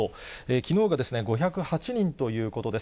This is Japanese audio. きのうが５０８人ということです。